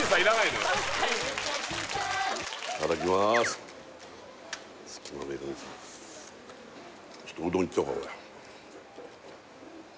ただのちょっとうどんいっちゃおうかな